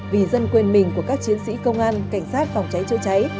vì dân quên mình của các chiến sĩ công an cảnh sát phòng cháy chữa cháy